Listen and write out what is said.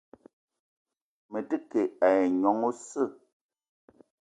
Me te ke ayi nyong oseu.